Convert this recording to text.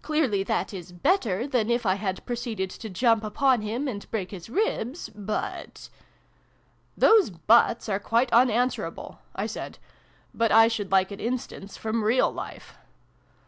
Clearly that is 'better' than if I had proceeded to jump upon him and break his ribs ? But "Those ' buts ' are quite unanswerable," I said. " But I should like an instance from real life."